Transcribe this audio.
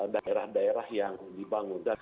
daerah daerah yang dibangun